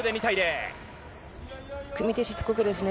組み手しつこくですね。